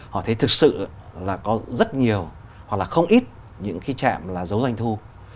họ thấy thực sự là có rất nhiều hoặc là không ít những cái trạm là giấu doanh thu